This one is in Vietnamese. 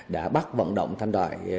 đã bắt vận động thanh đoại